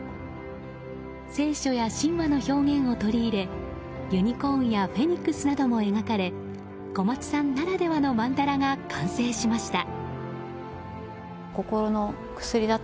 聖書や神話の表現を取り入れユニコーンやフェニックスなども描かれ小松さんならではの曼荼羅が完成しました。